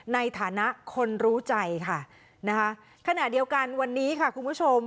ในฐานะคนรู้ใจค่ะนะคะขณะเดียวกันวันนี้ค่ะคุณผู้ชม